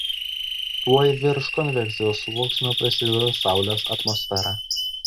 Tuoj virš konvekcijos sluoksnio prasideda Saulės atmosfera.